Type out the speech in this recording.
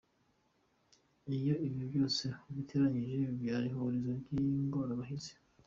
Iyo ibyo byose ubiteranyije, bibyara ihurizo ry’ingorabahizi.